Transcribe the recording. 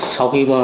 sau khi mà